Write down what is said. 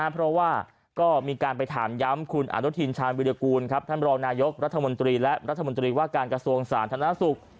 เพราะว่าก็มีการไปถามย้ำคุณอนุทินชาญวิรากูลท่านรองนายกรัฐมนตรีและรัฐมนตรีว่าการกระทรวงสาธารณสุข